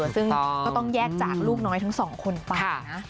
ซึ่งก็ต้องแยกจากลูกน้อยทั้งสองคนไปนะ